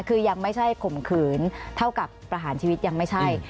คือยังไม่ใช่ข่มขืนเท่ากับประหารชีวิตยังไม่ใช่